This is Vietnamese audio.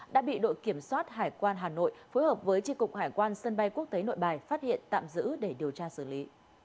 đã bị đội kiểm soát hải quan hà nội phối hợp với tri cục hải quan sân bay quốc tế nội bài phát hiện tạm giữ để điều tra xử lý